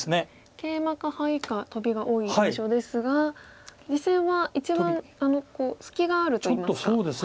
ケイマかハイかトビが多い印象ですが実戦は一番隙があるといいますか。